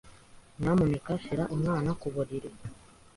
Nyamuneka shyira umwana ku buriri.